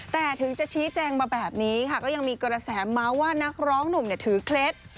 แต่ถึงจะชี้แจงมาแบบนี้ค่ะก็ยังมีกระแสเมาส์ว่านักร้องหนุ่มถือเคล็ด